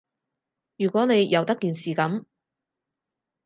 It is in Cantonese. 如果你由得件事噉